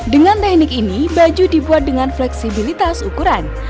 dengan teknik ini baju dibuat dengan fleksibilitas ukuran